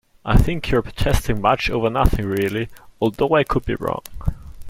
I think you're protesting much over nothing really, although I could be wrong.